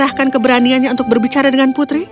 tidak ada keberaniannya untuk berbicara dengan putri